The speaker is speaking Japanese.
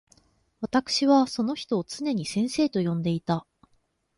私わたくしはその人を常に先生と呼んでいた。